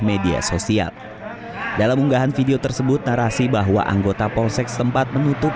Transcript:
media sosial dalam unggahan video tersebut narasi bahwa anggota polsek setempat menutup